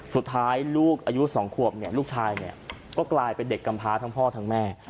สุดท้ายลูกอายุสองควบเนี่ยลูกชายเนี่ยก็กลายเป็นเด็กกำพาทั้งพ่อทั้งแม่